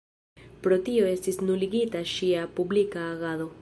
Pro tio estis nuligita ŝia publika agado.